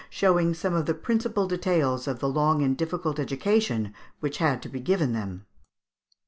148 to 155), showing some of the principal details of the long and difficult education which had to be given them.